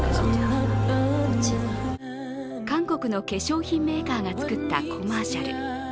韓国の化粧品メーカーが作ったコマーシャル。